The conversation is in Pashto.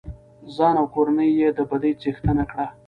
ځان او کورنۍ يې د بدۍ څښتنه کړه.